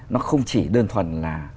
nó không chỉ đơn thuần là